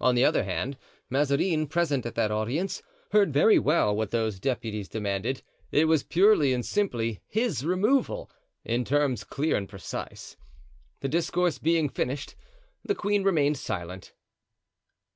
On the other hand, Mazarin, present at that audience, heard very well what those deputies demanded. It was purely and simply his removal, in terms clear and precise. The discourse being finished, the queen remained silent.